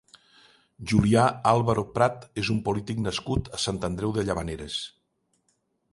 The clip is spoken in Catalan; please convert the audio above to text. Julià Álvaro Prat és un polític nascut a Sant Andreu de Llavaneres.